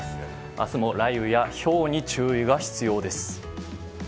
明日も雷雨やひょうに注意が必要です。